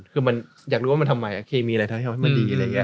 คือมันอยากรู้ว่ามันทำไมเคมีอะไรทำให้มันดีอะไรอย่างนี้